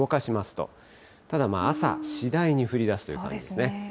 動かしますと、ただ朝、次第に降りだすという感じですね。